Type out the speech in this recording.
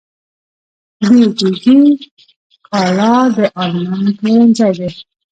دیجیجی کالا د انلاین پلورنځی دی.